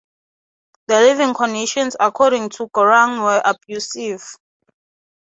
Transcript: The living conditions according to Gurung were abusive.